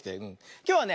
きょうはね